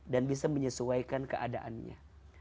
dan bisa menyesuaikan keadaannya